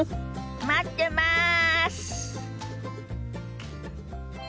待ってます！